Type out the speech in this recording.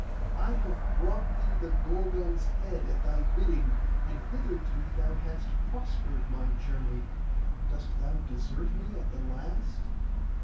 I have brought thee the Gorgon's head at thy bidding, and hitherto thou hast prospered my journey; dost thou desert me at the last?